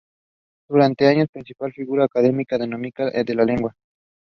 The government of Ecuador called on the military to suppress the strike.